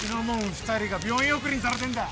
２人が病院送りにされてんだ。